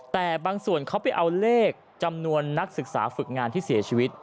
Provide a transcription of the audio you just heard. แต่บางส่วนเขาไปเอาเลขจำนวนนักศึกษาฝึกงานที่เสียชีวิต